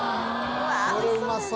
これうまそう。